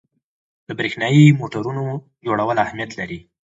د برېښنايي موټورونو جوړول اهمیت لري.